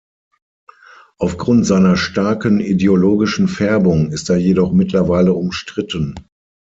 Aufgrund seiner starken ideologischen Färbung ist er jedoch mittlerweile umstritten.